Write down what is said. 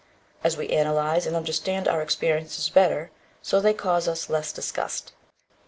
As we analyze and understand our experiences better, so they cause us less disgust.